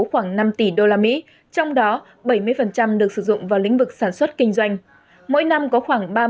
khoảng năm tỷ usd trong đó bảy mươi được sử dụng vào lĩnh vực sản xuất kinh doanh mỗi năm có khoảng ba mươi